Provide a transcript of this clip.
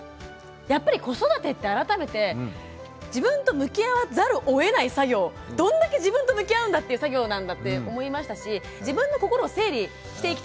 やっぱり子育てって改めて自分と向き合わざるをえない作業どんだけ自分と向き合うんだっていう作業なんだって思いましたし自分の心を整理していきたいなって